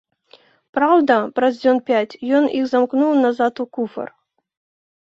Праўда, праз дзён пяць ён іх замкнуў назад у куфар.